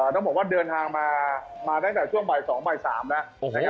ต้องบอกว่าเดินทางมาตั้งแต่ช่วงบ่าย๒บ่าย๓แล้ว